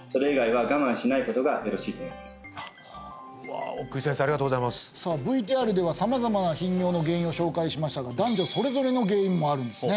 ありがとうございますさあＶＴＲでは様々な頻尿の原因を紹介しましたが男女それぞれの原因もあるんですね